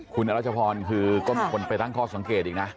คุณอรัชพรคือก็มีคนไปตั้งข้อสังเกตอีกนะ